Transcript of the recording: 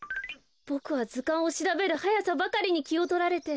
ボクはずかんをしらべるはやさばかりにきをとられて。